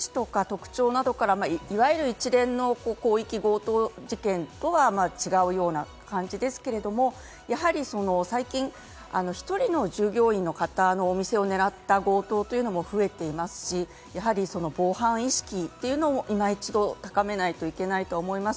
手口とか特徴などから、いわゆる一連の広域強盗事件とは違うような感じですけれども、最近１人の従業員の方のお店を狙った強盗というのも増えていますし、防犯意識というのを今一度、高めないといけないと思います。